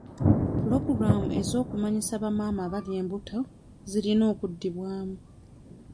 Pulogulaamu z'okumanyisa ba maama abali embuto zirina okuddibwamu.